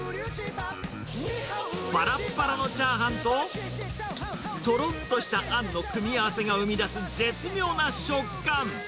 ぱらっぱらのチャーハンと、とろっとしたあんの組み合わせが生み出す絶妙な食感。